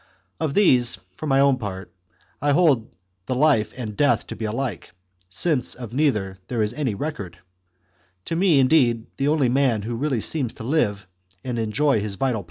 Of these, for my own part, I hold the life and death to be alike, since of neither is there any record. To me, indeed, the only man who really seems to live and enjoy his vital HI. THE CONSPIRACY OF CATILINE.